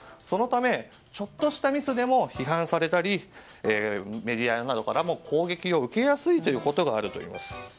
そのため、ちょっとしたミスでも批判されたりメディアなどから攻撃を受けやすいこともあります。